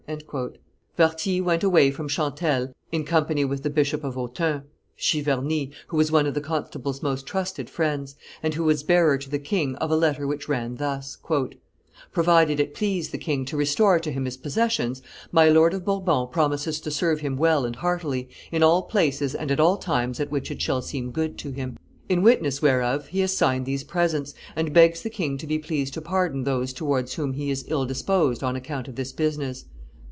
Warthy went away from Chantelle in company with the Bishop of Autun, Chiverny, who was one of the constable's most trusted friends, and who was bearer to the king of a letter which ran thus: "Provided it please the king to restore to him his possessions, my lord of Bourbon promises to serve him well and heartily, in all places and at all times at which it shall seem good to him. In witness whereof, he has signed these presents, and begs the king to be pleased to pardon those towards whom he is ill disposed on account of this business.